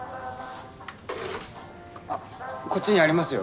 あっこっちにありますよ。